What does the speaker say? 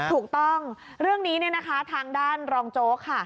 ถูกต้องเรื่องนี้เนี่ยนะคะทางด้านรองโจ๊กค่ะ